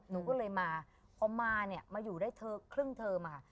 หนูก็เลยมาพอมาเนี่ยมาอยู่ได้เทอมครึ่งเทอมค่ะ